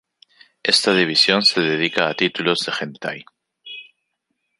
Esta división se dedica a títulos de Hentai.